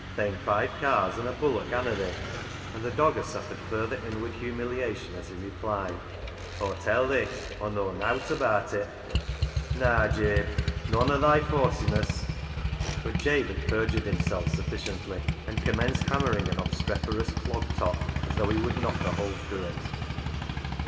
They'n five caas, an' a bullock ha' na they ?" And the dogger suffered further inward humiliation as he replied —" Aw tell thi Aw knaw nowt abaat it." " Naa, Jabe, nooan o' thy fawseniss." But Jabe had perjured himself sufficiently, and commenced hammering an obstreperous clog top as though he would knock a hole through it.